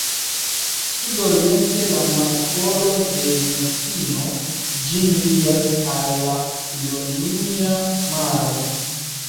Sudoriente la Markolo de Mesino ĝin ligas al la Ionia Maro.